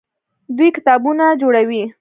دوی کتابتونونه جوړوي.